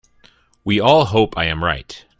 We all hope I am right.